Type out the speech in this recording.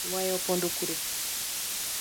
Waya opondo kure?